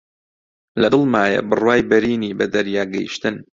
لە دڵمایە بڕوای بەرینی بە دەریا گەیشتن